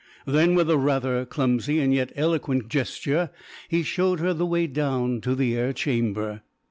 Then, with a rather clumsy and yet eloquent gesture, he showed her the way down to the air chamber.